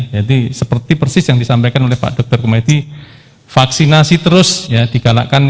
jadi seperti persis yang disampaikan oleh pak dr kumaiti vaksinasi terus ya digalakkan